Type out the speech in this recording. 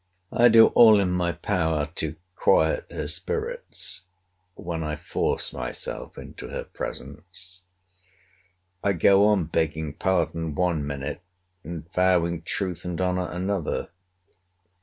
I do all in my power to quiet her spirits, when I force myself into her presence. I go on, begging pardon one minute; and vowing truth and honour another.